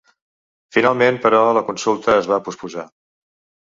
Finalment, però, la consulta es va posposar.